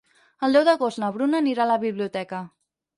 El deu d'agost na Bruna anirà a la biblioteca.